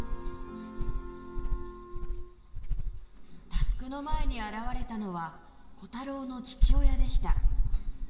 佑の前に現れたのはコタローの父親でした